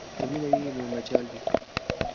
که مینه وي نو مجال وي.